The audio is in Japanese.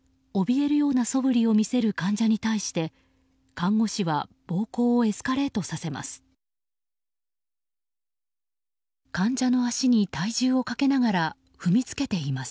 怯えるようなそぶりを見せる患者に対して看護師は暴行をエスカレートさせます。